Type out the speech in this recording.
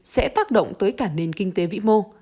sẽ tác động tới cả nền kinh tế vĩ mô